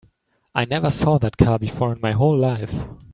I never saw that car before in my whole life.